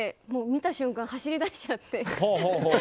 見た瞬間、走り出しちゃって。